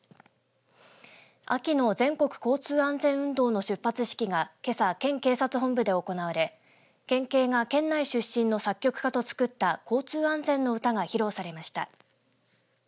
秋の全国交通安全運動の出発式がけさ県警察本部で行われ県警が県内出身の作曲家と作った交通安全の歌が披露されました。